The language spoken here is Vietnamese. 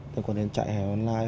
liên quan đến chạy online